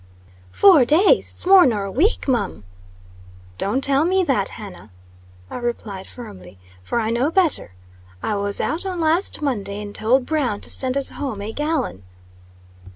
"Four days! It's more nor a week, mum!" "Don't tell me that, Hannah," I replied, firmly; "for I know better. I was out on last Monday, and told Brown to send us home a gallon."